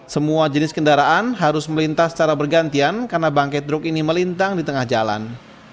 semua jenis kendaraan harus melintas secara bergantian karena bangkit truk ini melintang di tengah jalan